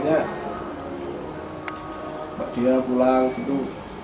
kalau dia pulang gitu